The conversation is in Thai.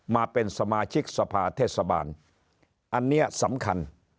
มาเป็นสมาชิกสภาเทศบาลอันนี้สำคัญ